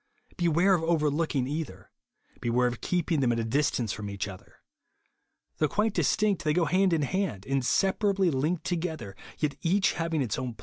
Beware of over looking either ; beware of keeping them at a distance from each other. Though quite distinct, they go hand in hand, inseparably linked together, yet each having its own place and its own office.